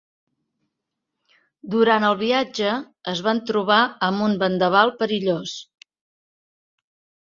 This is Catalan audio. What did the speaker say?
Durant el viatge, es van trobar amb un vendaval perillós.